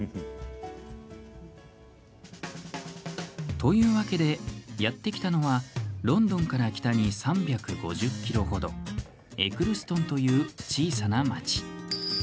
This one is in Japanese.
というわけで、やって来たのはロンドンから北に３５０ｋｍほどエクルストンという小さな町。